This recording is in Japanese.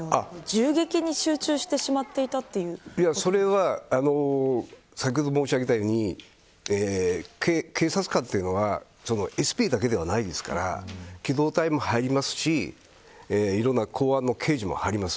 銃撃に集中してしまっていたそれは先ほど申し上げたように警察官というのはＳＰだけではないですから機動隊も入りますしいろんな公安の刑事も入ります。